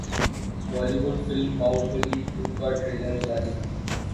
Bali would film Baahubali two کا trailer جاری